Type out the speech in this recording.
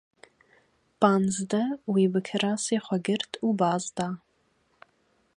Panzdeh wê bi kirasê xwe girt û baz de